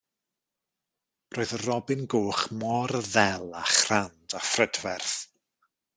Roedd y robin goch mor ddel a chrand a phrydferth.